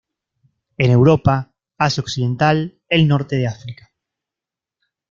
En Europa, Asia occidental, el norte de África.